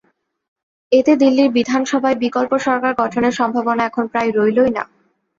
এতে দিল্লির বিধানসভায় বিকল্প সরকার গঠনের সম্ভাবনা এখন প্রায় রইলই না।